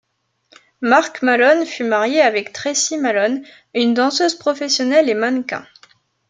Mark Malone fut marié avec Tracy Malone, une danseuse professionnelle et mannequin.